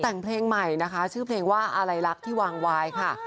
แต่งเพลงใหม่นะคะชื่อเพลงว่าอะไรลักษณ์ที่วางวายค่ะ